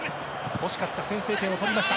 欲しかった先制点を取りました。